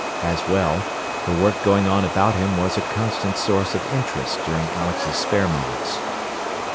As well, the work going on about him was a constant source of interest during Alex's spare moments.